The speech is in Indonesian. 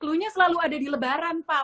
flu nya selalu ada di lebaran pak